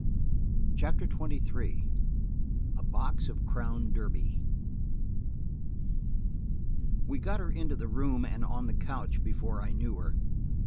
CHAPTER XXIII A BOX OF CROWN DERBY WE GOT her into the room and on the couch before I knew her.